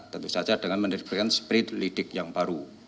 tentu saja dengan menerbitkan sprit lidik yang baru